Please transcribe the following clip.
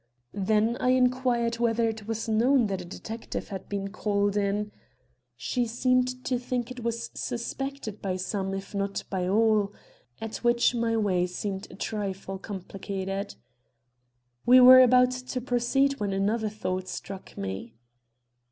Then I inquired whether it was known that a detective had been called in. She seemed to think it was suspected by some, if not by all. At which my way seemed a trifle complicated. We were about to proceed when another thought struck me.